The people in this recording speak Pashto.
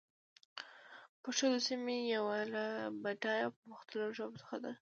پښتو د سيمې يوه له بډايه او پرمختللو ژبو څخه ده.